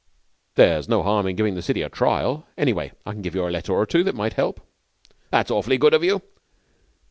'There's no harm in giving the city a trial. Anyway, I can give you a letter or two that might help.' 'That's awfully good of you.'